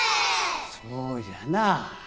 そうじゃな。